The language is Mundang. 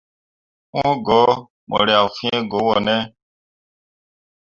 Wu go mu riak fii go wone.